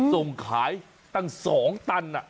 ส่งขายทั้งสองตัน